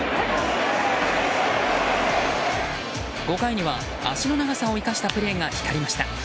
５回には足の長さを生かしたプレーが光りました。